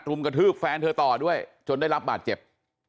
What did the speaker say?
กระทืบแฟนเธอต่อด้วยจนได้รับบาดเจ็บ